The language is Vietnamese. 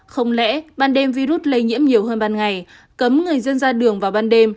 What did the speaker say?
không lẽ ban đêm virus lây nhiễm nhiều hơn ban ngày cấm người dân ra đường vào ban đêm